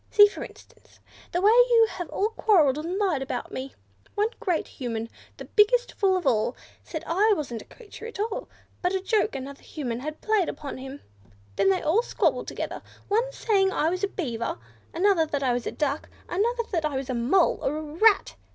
"See, for instance, the way you have all quarrelled and lied about me! First one great Human, the biggest fool of all, said I wasn't a live creature at all, but a joke another Human had played upon him. Then they squabbled together one saying I was a Beaver; another, that I was a Duck; another, that I was a Mole, or a Rat.